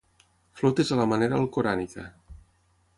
Flotes a la manera alcorànica.